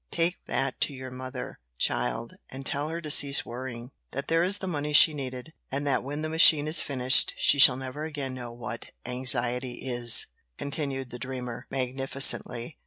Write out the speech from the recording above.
"Take that to your mother, child, and tell her to cease worrying; that there is the money she needed, and that when the machine is finished she shall never again know what anxiety is," continued the dreamer, magnificently.